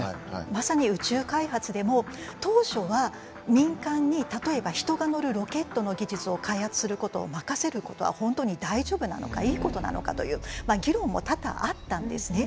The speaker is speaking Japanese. まさに宇宙開発でも当初は民間に例えば人が乗るロケットの技術を開発することを任せることは本当に大丈夫なのかいいことなのかという議論も多々あったんですね。